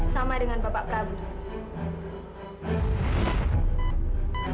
sama dengan pak prabu